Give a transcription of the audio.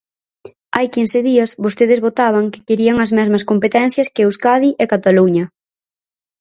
Hai quince días vostedes votaban que querían as mesmas competencias que Euskadi e Cataluña.